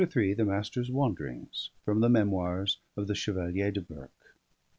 CHAPTER III THE MASTER'S WANDERINGS From the Memoirs of the Chevalier de Burke